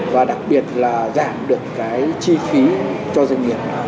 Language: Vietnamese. và đặc biệt là giảm được cái chi phí cho doanh nghiệp